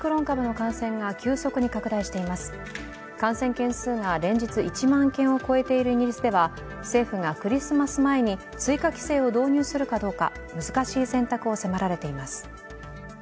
感染件数が連日１万件を超えているイギリスでは政府がクリスマス前に追加規制を導入するかどうか、難しい選択を迫られています。